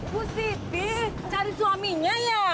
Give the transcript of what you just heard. bu siti cari suaminya ya